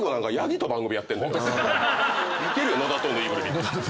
いけるよ野田とぬいぐるみ。